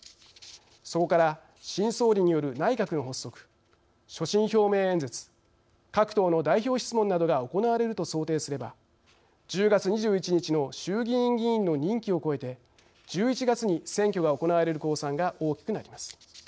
そこから新総理による内閣の発足所信表明演説各党の代表質問などが行われると想定すれば１０月２１日の衆議院議員の任期を超えて１１月に選挙が行われる公算が大きくなります。